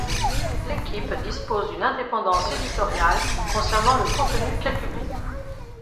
L’équipe dispose d’une indépendance éditoriale concernant le contenu qu’elle publie.